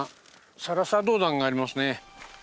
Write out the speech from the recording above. サラサドウダンがありますね。